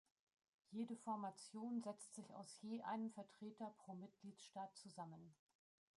Jede Formation setzt sich aus je einem Vertreter pro Mitgliedstaat zusammen.